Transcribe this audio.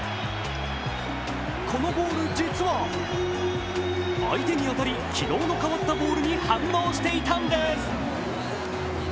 このゴール、実は相手に当たり、軌道の変わったボールに反応していたんです。